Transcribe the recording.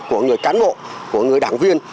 của người cán bộ của người đảng viên